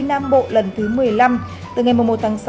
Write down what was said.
nam bộ lần thứ một mươi năm từ ngày một tháng sáu